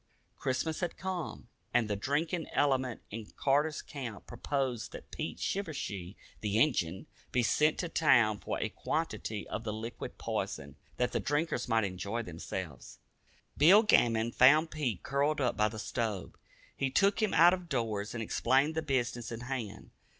Christmas had come, and the drinking element in Carter's Camp proposed that Pete Shivershee the "Injun" be sent to town for a quantity of the liquid poison, that the drinkers might "enjoy" themselves. Bill Gammon found Pete curled up by the stove. He took him out of doors and explained the business in hand.